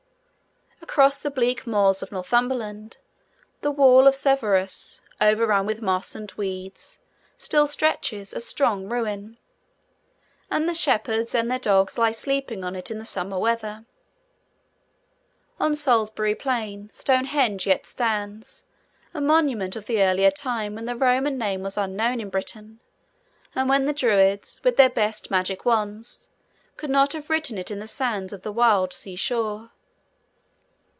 Across the bleak moors of Northumberland, the wall of Severus, overrun with moss and weeds, still stretches, a strong ruin; and the shepherds and their dogs lie sleeping on it in the summer weather. On Salisbury Plain, Stonehenge yet stands: a monument of the earlier time when the Roman name was unknown in Britain, and when the Druids, with their best magic wands, could not have written it in the sands of the wild sea shore.